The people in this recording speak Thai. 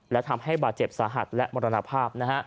และทำให้บาดเจ็บสาหัสและมรณภาพ